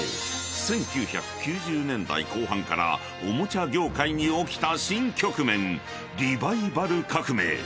１９９０年代後半からおもちゃ業界に起きた新局面リバイバル革命］